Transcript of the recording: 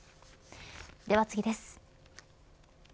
では次です。